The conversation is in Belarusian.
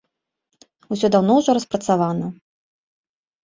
Усё даўно ўжо распрацавана.